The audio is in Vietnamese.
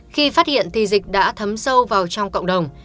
khi phát hiện thì dịch đã thấm sâu vào trong cộng đồng